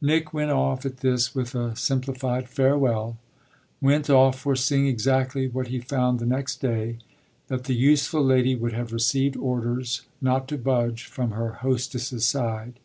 Nick went off at this with a simplified farewell went off foreseeing exactly what he found the next day, that the useful lady would have received orders not to budge from her hostess's side.